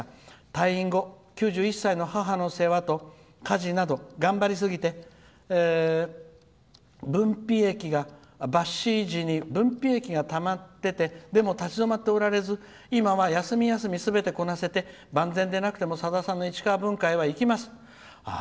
退院後、９１歳の母の世話家事など頑張りすぎて抜糸時に分泌液がたまっていてでも立ち止まっておられず今は休み休み、すべてこなせて万全でなくてもさださんのコンサートへ行けます」。